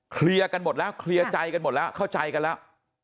เคลียร์กันหมดแล้วเคลียร์ใจกันหมดแล้วเข้าใจกันแล้ว